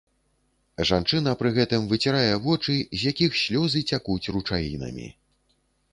Жанчына пры гэтым выцірае вочы, з якіх слёзы цякуць ручаінамі.